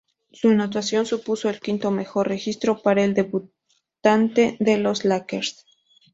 Su anotación supuso el quinto mejor registro para un debutante en los Lakers.